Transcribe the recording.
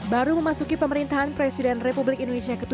baru memasuki pemerintahan presiden republik indonesia ke tujuh